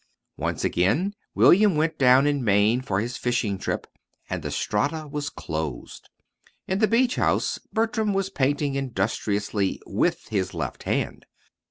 Once again William went down in Maine for his fishing trip, and the Strata was closed. In the beach house Bertram was painting industriously with his left hand.